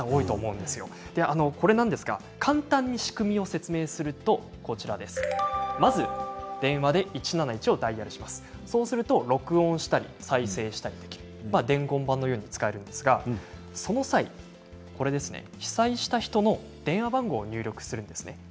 これなんですが簡単に仕組みを説明しますとまず電話で１７１をダイヤルします、そうすると録音したり再生したりできる伝言板のように使えるんですがその際に被災した人の電話番号を入力するんですね。